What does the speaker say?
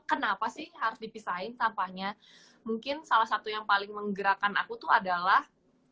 kenapa sih harus dipisahin sampahnya mungkin salah satu yang paling menggerakkan aku tuh adalah